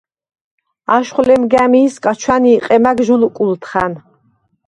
აშხვ ლემგა̈მი̄სგა ჩვანი̄ყე მა̈გ ჟი ლუკუ̄ლთხა̈ნ.